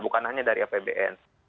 bukan hanya dari apbn